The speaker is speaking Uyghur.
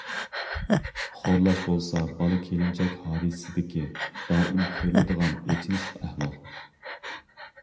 خورلاش بولسا بالا كېلىنچەك ھادىسىسىدىكى دائىم كۆرۈلىدىغان ئېچىنىشلىق ئەھۋال.